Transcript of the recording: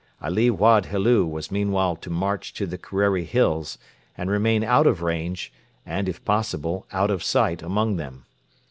Ali Wad Helu was meanwhile to march to the Kerreri Hills, and remain out of range and, if possible, out of sight among them.